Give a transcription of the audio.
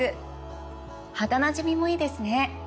肌なじみもいいですね！